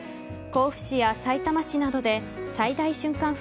甲府市やさいたま市などで最大瞬間